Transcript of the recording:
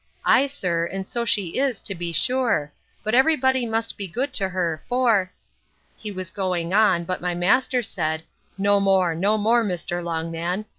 Ay, sir, and so she is, to be sure! But every body must be good to her; for—— He was going on: but my master said, No more, no more, Mr. Longman.